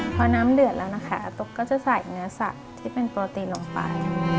พอน้ำเดือดแล้วนะคะอาตุ๊กก็จะใส่เนื้อสัตว์ที่เป็นโปรตีนลงไป